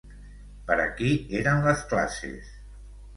Per a qui eren les classes?